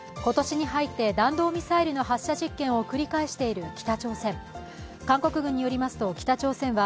今年に入って、弾道ミサイルの発射実験を繰り返している北朝鮮。